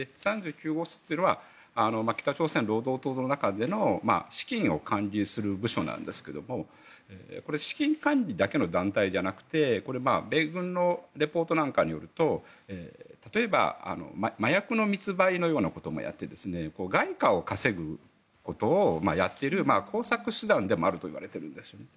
３９号室っていうのは北朝鮮労働党の中での資金を管理する部署なんですが資金管理だけの団体じゃなくて米軍のリポートなんかによると例えば麻薬の密売のようなこともやって外貨を稼ぐことをやっている工作集団でもあるといわれているんですね。